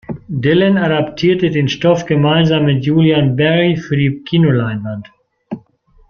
Dillon adaptierte den Stoff gemeinsam mit Julian Barry für die Kinoleinwand.